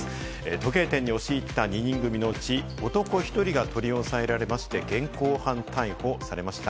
時計店に押し入った２人組のうち、男１人が取り押さえられまして、現行犯逮捕されました。